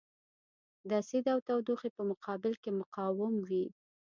د اسید او تودوخې په مقابل کې مقاوم وي.